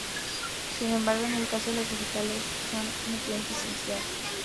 Sin embargo, en el caso de los vegetales, son un nutriente esencial.